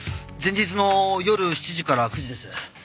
前日の夜７時から９時です。